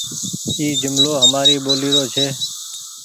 اي جملو همآري ٻولي رو ڇي۔